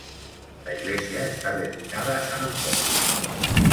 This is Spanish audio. La iglesia está dedicada a san Antonio..